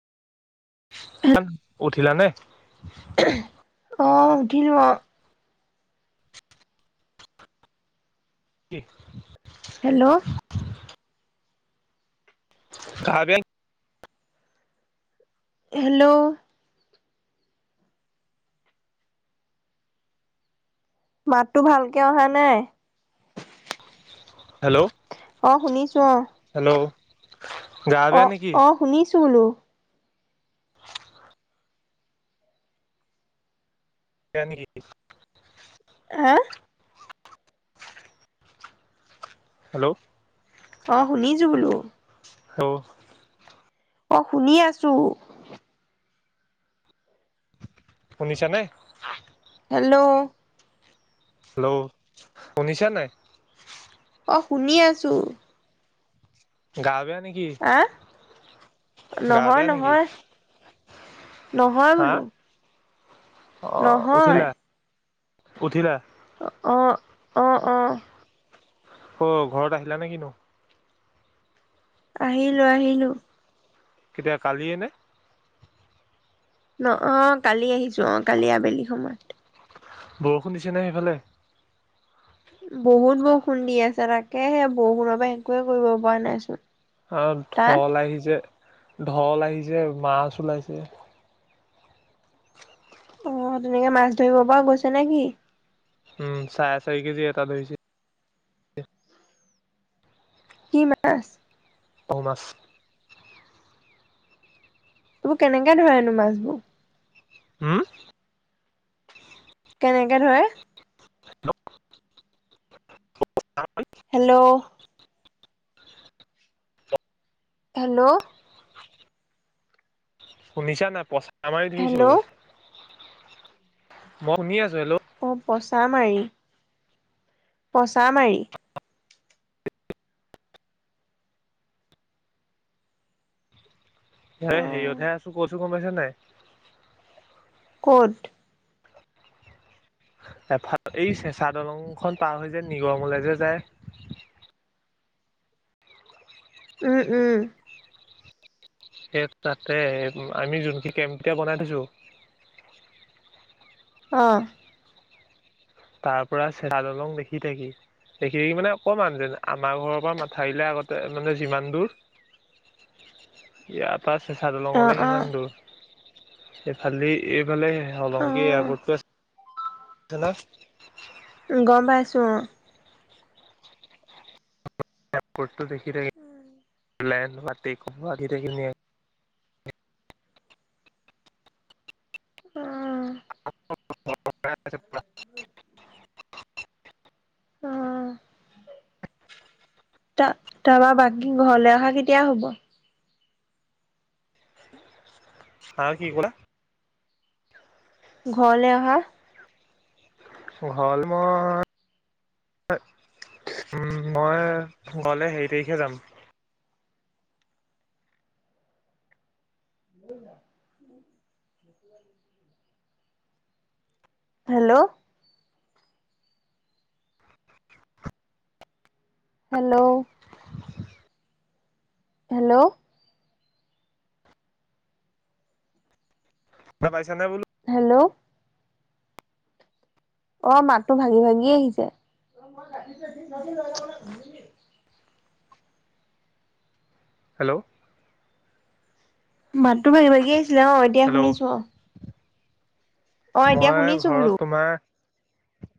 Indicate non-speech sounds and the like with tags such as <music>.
অ' উঠিলা নে? অঁ', উঠিলোঁ আও। <inaudible> হেল্ল'। <inaudible> হেল্ল'। মাত টো ভালকে অহা নাই। হেল্ল'। অঁ' শুনিছোঁ অঁ'। হেল্ল'। গা বেয়া অহ', নেকি -অ' শুনিছোঁ বোলো। <inaudible> হা? হেল্ল'। অঁ' শুনিছোঁ বোলো? হেল্ল'। অঁ' শুনি আছোঁ। শুনিছা নে? হেল্ল'। হেল্ল' শুনিছা নাই? অহ' শুনি আছো। গা বেয়া নেকি? আঁহ', গা বেয়া নেকি নহয়-নহয়, নহয় হা বোলো। অ' নহয় উঠিলা-উঠিলা? অঁহ', -অঁ', -অঁ',। অ' ঘৰত আহিলা নেকি তুমি? আহিলো-আহিলো। কেতিয়া, কালিয়ে নে? নহয়, অঁ' কালি আহিছোঁ, অঁ' কালি আবেলি সময়ত। বৰষুণ দিছে নে সেইফালে? বহুত বৰষুণ দি আছে তাকে হে বৰষুণৰ পৰা একোৱে কৰিব পৰা নাইচোন। আৰু তাত ঢল আহিছে, ঢল আহিছে মাছ ওলাইছে। অ' তেনেকে মাছ ধৰিব পৰা গৈছে নে কি? উমঁ, চাৰে চয় কেজি এটা ধৰিছে। কি মাছ? শুল মাছ। এইবোৰ কেনেকে ধৰে এইবোৰ মাছ? হুম? কেনেকে ধৰে? হেল্ল'। হেল্ল'। শুনিছা নাই? পচা মাৰি ধৰিছো, হেল্ল' মই শুনি আছো, হেল্লো। অ', পচা মাৰি। পচা মাৰি। হে অ হেৰিয়ত হে আছোঁ, কৈছোঁ গম পাইছ নাই? ক'ত? এফাল এই চেঁচা দলং খন পাৰ হৈ যে নিগমলে যে যায়। উম, উম। সে তাতে, এ আমি যোনখিত কেমপ কিটা বনাই থৈছোঁ। অ' তাৰ পৰা চেৰা দলং দেখি থাকি। সেইখিনি মানে অকমান যেন আমাৰ ঘৰৰ পৰা মাথাউৰিলে আগতে মানে যিমান দূৰ ইয়াৰ পৰা চেঁচা অ দলঙলৈ অ সিমান দূৰ, সে ফালদি এইফালে অ হলঙ্গী এয়াৰপৰ্টতো আছে, চে নহয়। উম, গম পাইছোঁ, অ' এয়াৰপৰ্টতো দেখি থাকি, <unintelligible> অ'। <unintelligible> <inaudible> উম। তা-তাৰপা বাকী, ঘৰলে অহা কেতিয়া হ'ব? হা কি ক'লা? ঘৰলে অহা ঘৰলে মই এ, মই ঘৰলে হেৰি তাৰিখে যাম <unintelligible> হেল্ল' হেল্ল' হেল্ল' শুনা পাইছানে বো হেল্ল' অ', মাতটো ভাাগি ভাাগি আহিছে, <unintelligible> হেল্ল'। মাতটো ভাগি, ভাগি আহিছিলে, অ', এতিয়া হেল্ল' শুনিছোঁ, অ' অ এতিয়া মই শুনিছো বোলো। ঘৰত তোমাৰ